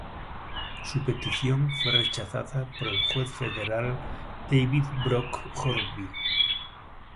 Su petición fue rechazada por el juez federal David Brock Hornby.